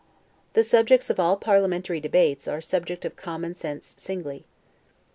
The subjects of all parliamentary debates are subjects of common sense singly.